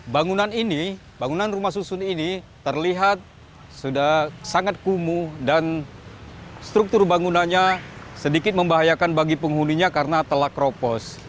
bangunan ini bangunan rumah susun ini terlihat sudah sangat kumuh dan struktur bangunannya sedikit membahayakan bagi penghuninya karena telak ropos